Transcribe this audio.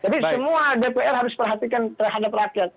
jadi semua dpr harus perhatikan terhadap rakyat